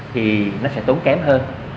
thì nó sẽ tốn kém hơn